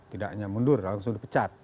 tidak hanya mundur langsung dipecat